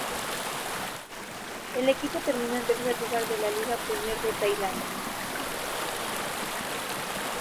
El equipo terminó en tercer lugar en la Liga Premier de Tailandia.